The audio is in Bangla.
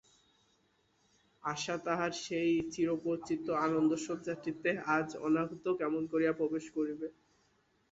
আশা তাহার সেই চিরপরিচিত আনন্দশয্যাটিতে আজ অনাহূত কেমন করিয়া প্রবেশ করিবে।